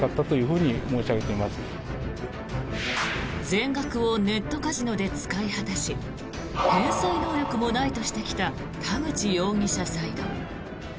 全額をネットカジノで使い果たし返済能力もないとしてきた田口容疑者サイド。